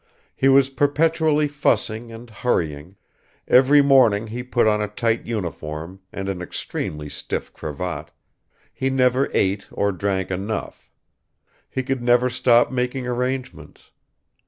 He was perpetually fussing and hurrying; every morning he put on a tight uniform and an extremely stiff cravat; he never ate or drank enough; he could never stop making arrangements.